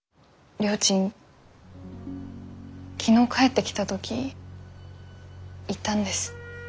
りょーちん昨日帰ってきた時言ったんです。